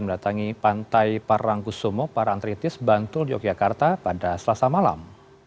mendatangi pantai parangkusomo parang tritis bantul yogyakarta pada selasa malam